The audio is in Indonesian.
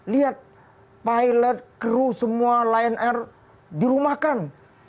lihat pilot kru semua lion air dirumahkan